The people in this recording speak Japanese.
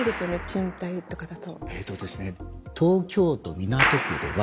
賃貸とかだと。